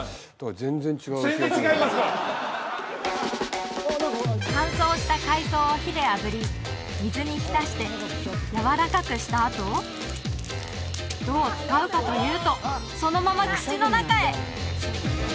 全然違いますか乾燥した海藻を火であぶり水に浸してやわらかくしたあとどう使うかというとそのまま口の中へ！